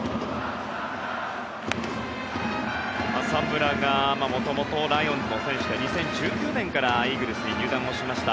浅村が元々、ライオンズの選手で２０１９年からイーグルスに入団しました。